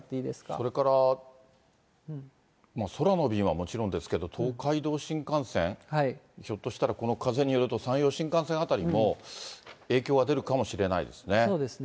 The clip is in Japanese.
それから空の便はもちろんですけど、東海道新幹線、ひょっとしたらこの風によると、山陽新幹線あたりも、影響は出るかもしれないですね。